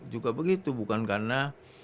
juga begitu bukan karena